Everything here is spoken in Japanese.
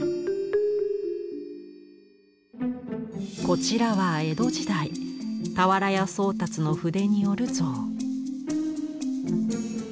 こちらは江戸時代俵屋宗達の筆による象。